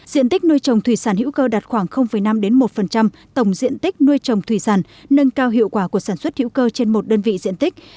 diện tích nuôi trồng thủy sản hữu cơ đạt khoảng năm một tổng diện tích nuôi trồng thủy sản nâng cao hiệu quả của sản xuất hữu cơ trên một đơn vị diện tích